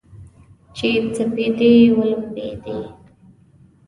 چې سپېدې ولمبیدې